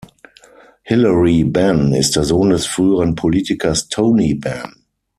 Hilary Benn ist der Sohn des früheren Politikers Tony Benn.